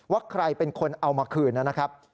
ว่าใครเป็นคนเอามาคืนนะครับ